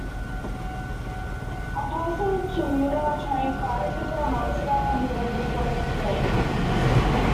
A passing commuter train collides with the monster, who then destroys the train.